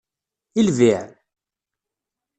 I lbiε?